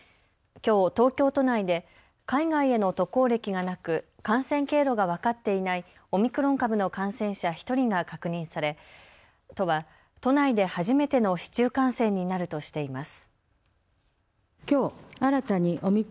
きょう東京都内で海外への渡航歴がなく感染経路が分かっていないオミクロン株の感染者１人が確認され都は都内で初めての市中感染になるとしています。